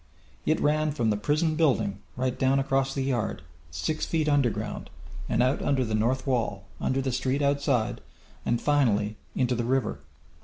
It ran from the prison building, right down across the yard, six feet under ground, and out under the north wall, under the street outside, and finally into the river.